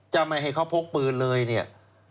จะไม่ให้เขาพกปืนเลย